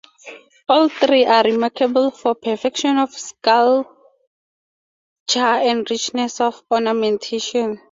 All three are remarkable for perfection of sculpture and richness of ornamentation.